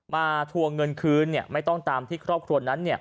มาทวงเงินคืนเนี่ยไม่ต้องตามที่ครอบครัวนั้นเนี่ย